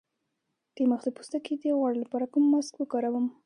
د مخ د پوستکي د غوړ لپاره کوم ماسک وکاروم؟